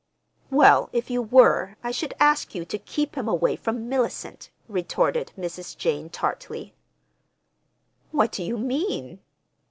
"Well, if you were I should ask you to keep him away from Mellicent," retorted Mrs. Jane tartly. "What do you mean?"